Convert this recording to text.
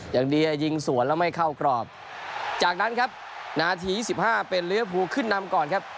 อย่างเดียวยิงสวนแล้วไม่เข้ากรอบจากนั้นครับนาที๒๕เป็นลิเวอร์ภูขึ้นนำก่อนครับ